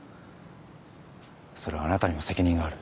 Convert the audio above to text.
それはあなたにも責任がある。